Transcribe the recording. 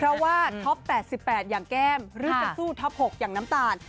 เพราะว่าท็อป๘๘อย่างแก้มหรือจะสู้ท็อป๖อย่างน้ำตาล